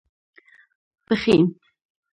پښين